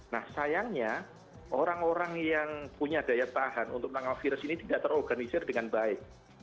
nah sayangnya orang orang yang punya daya tahan untuk menangkal virus ini tidak terorganisir dengan baik